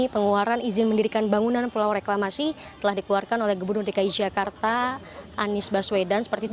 pengeluaran izin mendirikan bangunan pulau reklamasi telah dikeluarkan oleh gebur nodika ijakarta anies baswedan dan seperti itu